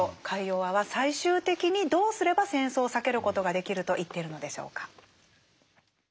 カイヨワは最終的にどうすれば戦争を避けることができると言っているのでしょうか。